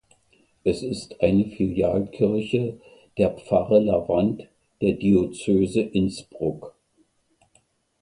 Es ist eine Filialkirche der Pfarre Lavant der Diözese Innsbruck.